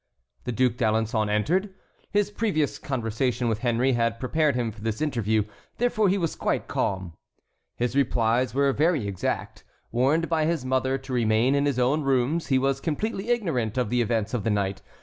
The Duc d'Alençon entered. His previous conversation with Henry had prepared him for this interview; therefore he was quite calm. His replies were very exact. Warned by his mother to remain in his own rooms, he was completely ignorant of the events of the night.